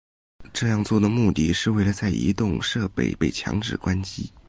这样做的目的是为了在移动设备被强制关机。